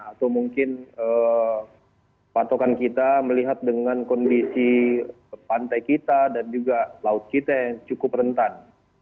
atau mungkin patokan kita melihat dengan kondisi pantai kita dan juga laut kita yang cukup rentan